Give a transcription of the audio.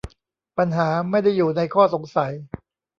ปัญหาไม่ได้อยู่ในข้อสงสัย